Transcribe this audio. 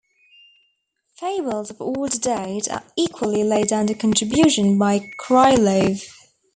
Fables of older date are equally laid under contribution by Krylov.